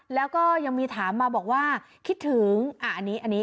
แล้วก็ยังมีถามมาบอกว่าคิดถึงอันนี้